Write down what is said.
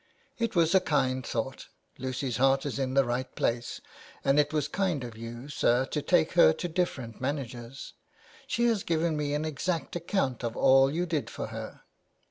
It was a kind thought. Lucy's heart is in the right place, and it was kind of you, sir, to take her to different managers. She has given me an exact account of all you did for her.